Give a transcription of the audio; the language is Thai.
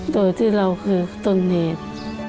โดยที่เราคือต้นเหตุ